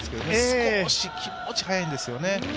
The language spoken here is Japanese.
少し、気持ち早いんですよね。